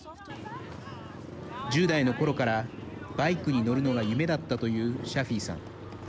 １０代の頃からバイクに乗るのが夢だったというシャフィイさん。